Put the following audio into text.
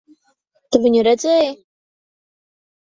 Tu viņu redzēji?